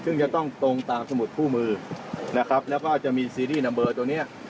ซึ่งจะต้องตรงตามสมุดผู้มือนะครับแล้วก็จะมีตัวเนี้ย